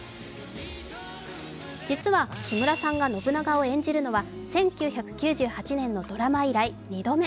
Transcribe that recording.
実は木村さんが信長を演じるのは１９９８年のドラマ以来、２度目。